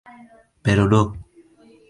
Pero no.